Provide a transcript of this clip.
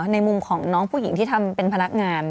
ในมุมของน้องผู้หญิงที่ทำเป็นพนักงาน